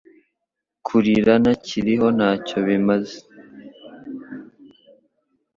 Kurira Ntakiriho ntacyo bimaze